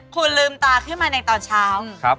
คุณลืมตาขึ้นมาในตอนเช้า